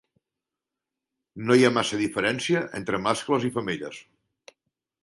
No hi ha massa diferència entre mascles i femelles.